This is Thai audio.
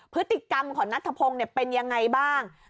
พฤติกรรมของนัทธพงศ์เป็นยังไงบ้าง